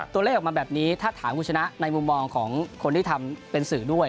ตัวเลขออกมาแบบนี้ถ้าถามคุณชนะในมุมมองของคนที่ทำเป็นสื่อด้วย